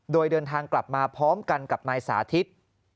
โดยเดินทางกลับมาพร้อมกันกับนายสาธิต